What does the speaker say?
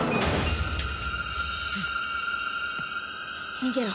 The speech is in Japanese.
逃げろ。